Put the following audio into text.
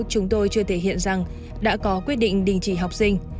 trường chưa thể hiện rằng đã có quyết định đình chỉ học sinh